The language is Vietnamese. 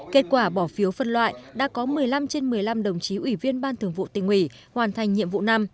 kết quả bỏ phiếu phân loại đã có một mươi năm trên một mươi năm đồng chí ủy viên ban thường vụ tỉnh ủy hoàn thành nhiệm vụ năm